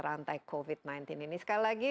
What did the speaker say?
rantai covid sembilan belas ini sekali lagi